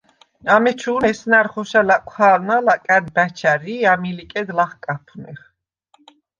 ამეჩუ̄ნ ესნა̈რ ხოშა ლა̈კუ̂ჰა̄ლუ̂ნა ლაკა̈დ ბა̈ჩ ა̈რი ი ამი̄ ლიკედ ლახკაფუ̂ნეხ.